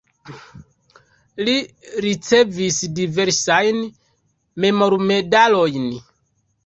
Li ricevis diversajn memormedalojn.